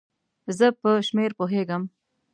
زه په شمېر پوهیږم